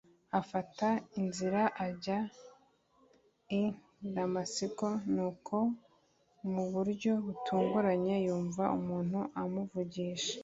afata inzira ajya i damasiko nuko mu buryo butunguranye yumva umuntu amuvugisha